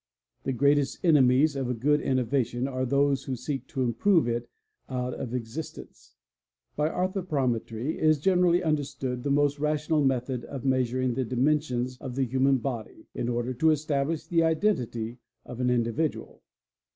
The greatest enemies of a good innovation are those who seek to improve it out of existence. |_ By "anthropometry" is generally understood the most rational method of measuring the dimensions of the human body, in order to establish the identity of an individual.